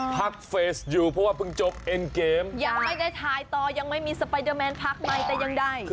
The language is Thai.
พักเฟสอยู่เพราะว่าเพิ่งจบเอ็นเกมยังไม่ได้ถ่ายต่อยังไม่มีสไปเดอร์แมนพักใหม่แต่ยังได้